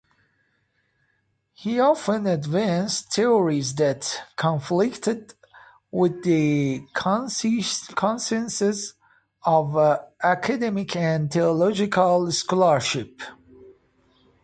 He often advanced theories that conflicted with the consensus of academic and theological scholarship.